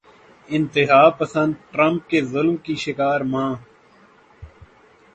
انتہا پسند ٹرمپ کے ظلم کی شکار ماں